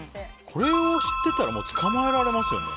これを知っていたら捕まえられますよね。